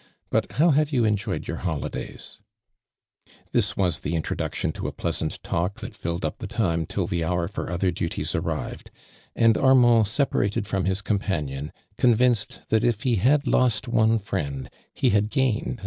But how have you en, joyeJ your holidays ?'' This was the introtluctiou to a pleasant talk that tilU d up the time till the hour for other duties arrived; and Armand separated from his companion, convinced that if he had lost one friend, he luid gaifli cd another.